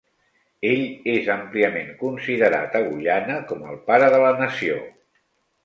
Ell és àmpliament considerat a Guyana com el "pare de la nació".